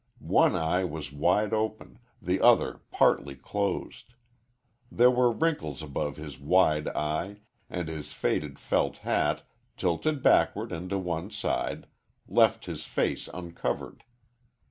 One eye was wide open, the other partly closed. There were wrinkles above his wide eye, and his faded felt hat, tilted backward and to one side, left his face uncovered.